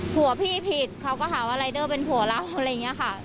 ผัวพี่ผิดเขาก็หาว่ารายเดอร์เป็นผัวเราอะไรอย่างนี้ค่ะ